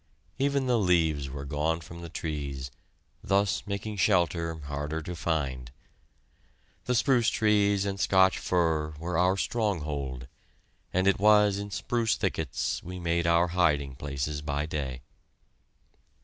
Even the leaves were gone from the trees, thus making shelter harder to find. The spruce trees and Scotch fir were our stronghold, and it was in spruce thickets we made our hiding places by day.